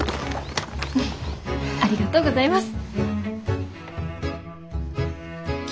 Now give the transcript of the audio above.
ありがとうございます。